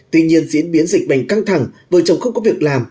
tuy nhiên diễn biến dịch bệnh căng thẳng vợ chồng không có việc làm